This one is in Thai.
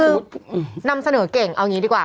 คือนำเสนอเก่งเอางี้ดีกว่า